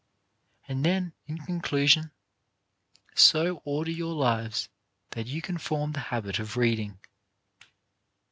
And then, in conclusion, so order your lives that you can form the habit of reading.